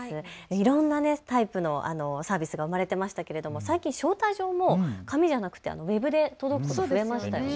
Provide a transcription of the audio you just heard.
いろんなタイプのサービスが生まれていましたけれども最近招待状も紙じゃなくてウェブで届くこと、増えましたよね。